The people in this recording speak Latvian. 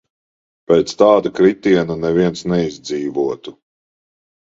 Pēc tāda kritiena neviens neizdzīvotu.